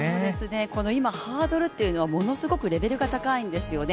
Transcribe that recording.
この今ハードルというのはものすごくレベルが高いんですよね。